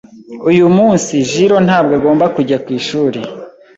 Uyu munsi, Jiro ntabwo agomba kujya ku ishuri.